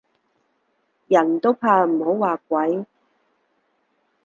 人都怕唔好話鬼